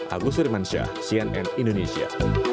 agus srimansyah cnn indonesia